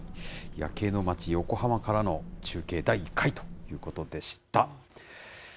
夜景の街、横浜からの中継第１回ということでした。